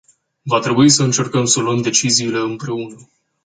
Va trebui să încercăm să luăm deciziile împreună.